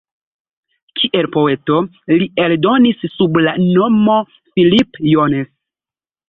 Kiel poeto li eldonis sub la nomo "Philippe Jones".